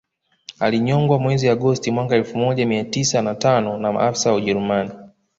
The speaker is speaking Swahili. Alinyongwa mwezi Agosti mwaka elfu moja mia tisa na tano na maafisa wa ujerumani